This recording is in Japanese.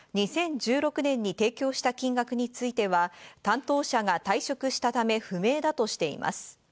２０１６年に提供した金額については担当者が退職したため不明だとしています。